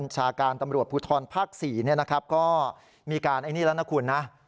ชาการตำรวจภูทรภาค๔ก็มีการไอ้นี่แล้วนะคุณนะ